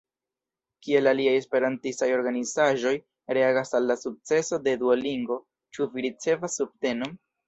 Kiel aliaj esperantistaj organizaĵoj reagas al la sukceso de Duolingo, ĉu vi ricevas subtenon?